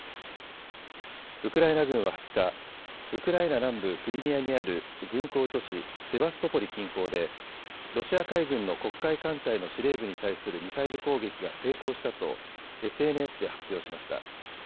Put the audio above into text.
ウクライナ軍は２０日、ウクライナ南部クリミアにある軍港都市セバストポリ近郊でロシア海軍の黒海艦隊の司令部に対するミサイル攻撃が成功したとＳＮＳで発表しました。